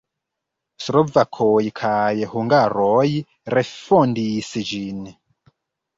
Slovakoj kaj hungaroj refondis ĝin.